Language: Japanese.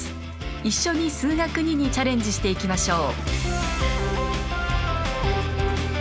一緒に「数学Ⅱ」にチャレンジしていきましょう。